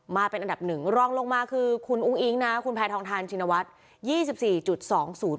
มาเป็นอันดับหนึ่งรองลงมาคือคุณอุ้งอิ๊งนะคุณแพทองทานชินวัฒน์